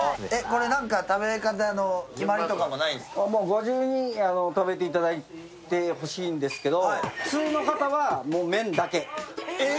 ご自由に食べていただいてほししいんですけど。